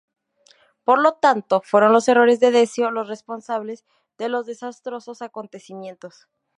Por lo tanto, fueron los errores de Decio los responsables de los desastrosos acontecimientos.